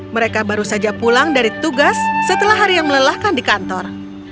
mereka baru saja pulang dari tugas setelah hari yang melelahkan di kantor